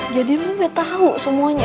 jadi lu udah tau semuanya man